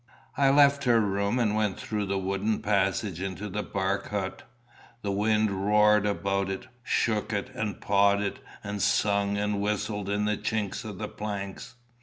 I left her room, and went through the wooden passage into the bark hut. The wind roared about it, shook it, and pawed it, and sung and whistled in the chinks of the planks.